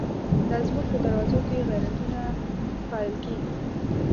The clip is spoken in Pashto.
لا زمونږ په دروازو کی، غیرتونه پا لل کیږی